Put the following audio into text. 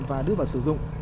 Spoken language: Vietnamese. và đưa vào sử dụng